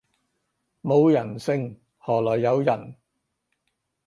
冇人性何來有人